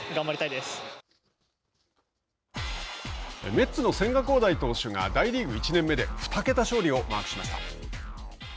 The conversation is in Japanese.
メッツの千賀滉大選手が大リーグ１年目で２桁勝利をマークしました。